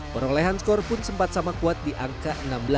perolehan skor pun sempat sama kuat di angka enam belas